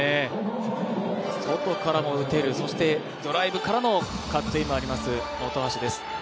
外からも打てる、そしてドライブからのカットインもあります、本橋です。